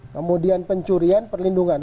kemudian pencurian perlindungan